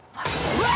うわ！！